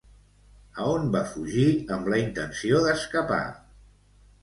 A on va fugir amb la intenció d'escapar?